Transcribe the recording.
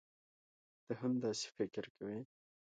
تۀ هم داسې فکر کوې؟